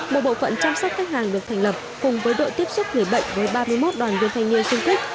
một bộ phận chăm sóc khách hàng được thành lập cùng với đội tiếp xúc người bệnh với ba mươi một đoàn viên thanh niên sung kích